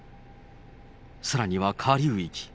さらには下流域。